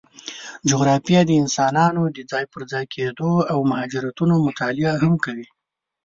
جغرافیه د انسانانو د ځای پر ځای کېدو او مهاجرتونو مطالعه هم کوي.